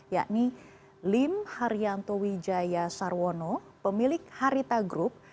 yakni lim haryanto wijaya sarwono pemilik harita group